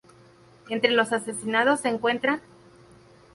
Entre los asesinados se encuentran.